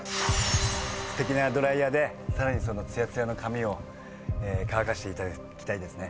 すてきなドライヤーでさらにそのつやつやの髪を乾かしていただきたいですね。